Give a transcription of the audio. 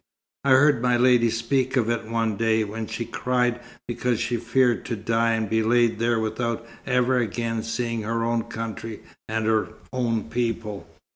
I heard my lady speak of it one day, when she cried because she feared to die and be laid there without ever again seeing her own country and her own people.